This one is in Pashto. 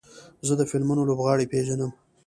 زه د فلمونو لوبغاړي پیژنم.